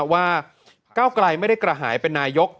ว่าก้าวไกลไม่ได้กระหายเป็นนายก